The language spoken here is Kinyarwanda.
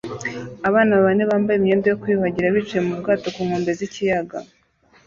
Abana bane bambaye imyenda yo kwiyuhagira bicaye mu bwato ku nkombe z'ikiyaga